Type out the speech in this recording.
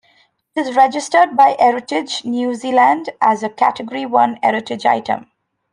It is registered by Heritage New Zealand as a Category One heritage item.